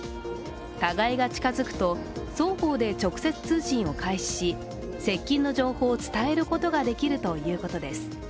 互いが近付くと双方で直接通信を開始し接近の情報を伝えることができるということです。